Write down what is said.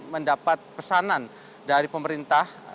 mendapat pesanan dari pemerintah